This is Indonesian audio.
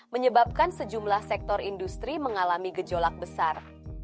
menyebabkan sejumlah sektor industri mengalami gejolak besar